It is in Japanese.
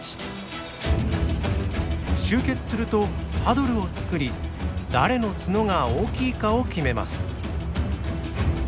集結するとハドルを作り誰の角が大きいかを決めます。